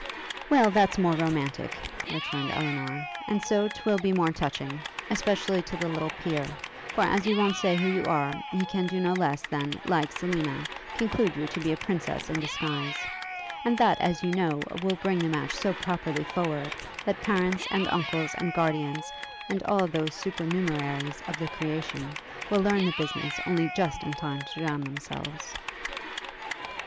'Well, that's more romantic,' returned Elinor, 'and so 'twill be more touching; especially to the little peer; for as you won't say who you are, he can do no less than, like Selina, conclude you to be a princess in disguise; and that, as you know, will bring the match so properly forward, that parents, and uncles, and guardians, and all those supernumeraries of the creation, will learn the business only just in time to drown themselves.'